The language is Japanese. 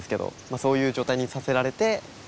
そういう状態にさせられて。